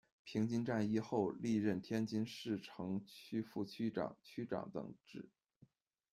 平津战役后，历任天津市城区副区长、区长等职。